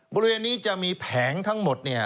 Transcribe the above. บริเวณนี้จะมีแผงทั้งหมด